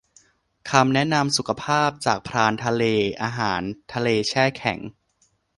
คำแนะนำสุขภาพ จาก พรานทะเล อาหารทะเลแช่แข็ง